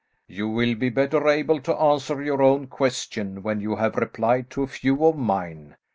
"You will be better able to answer your own question when you have replied to a few of mine.